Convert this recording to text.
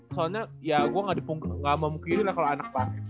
soalnya ya gue gak memungkiri lah kalau anak plastik